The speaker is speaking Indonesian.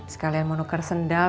sekalian mau nuker sendal